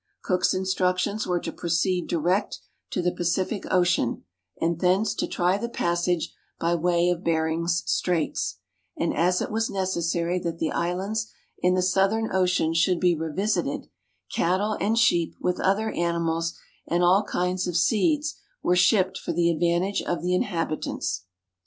Cook's instructions were to proceed direct to the Pacific Ocean, and thence to try the passage by way of Behring's Straits; and as it was necessary that the islands in the Southern Ocean should be revisited, cattle THE LAST VOYAGE OF CAPTAIN COOK and sheep, with other animals, and all kinds of seeds, were shipped for the advantage of the inhabitants.